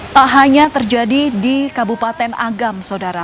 tak hanya terjadi di kabupaten agam sodara